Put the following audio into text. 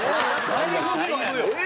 最悪。